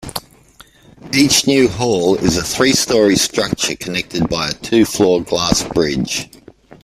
Each new hall is a three-story structure connected by a two-floor glass bridge.